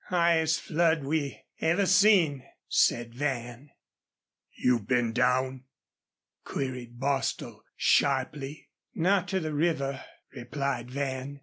"Highest flood we ever seen," said Van. "You've been down?" queried Bostil, sharply. "Not to the river," replied Van.